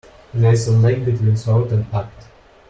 There is a lag between thought and act.